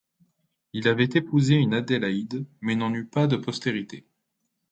Il avait épousé une Adélaïde, mais n'en eut pas de postérité.